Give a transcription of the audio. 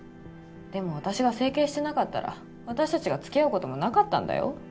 でも私が整形してなかったら私たちがつきあうこともなかったんだよ？